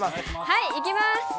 はい、いきます。